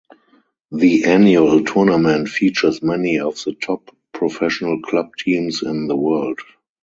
The annual tournament features many of the top professional club teams in the world.